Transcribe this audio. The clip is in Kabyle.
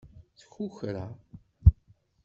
Tkukra.